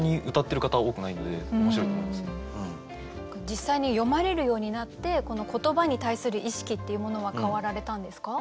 実際に詠まれるようになって言葉に対する意識っていうものは変わられたんですか？